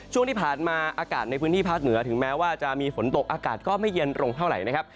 ช่วงที่ผ่านมาอากาศในพื้นที่ภาคเหนือถึงแม้ว่าจะมีฝนตกอากาศก็ไม่เย็นลงเท่าไหร่นะครับ